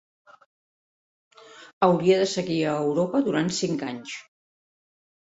Hauria de seguir a Europa durant cinc anys.